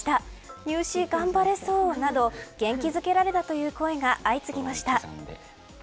入試頑張れそうなど元気づけられたという声が相次ぎました。